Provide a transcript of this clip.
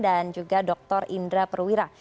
dan juga doktor indra perwira